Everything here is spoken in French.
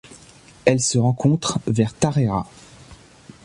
Elle se rencontre vers Taraira.